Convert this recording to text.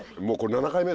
７回目。